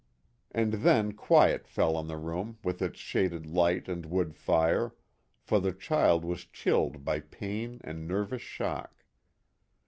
And then quiet fell on the room with its shaded light and wood fire, for the child was chilled by pain and nervous shock.